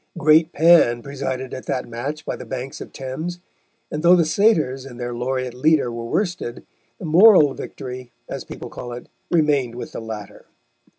Great Pan presided at that match by the banks of Thames, and though the satyrs and their laureate leader were worsted, the moral victory, as people call it, remained with the latter.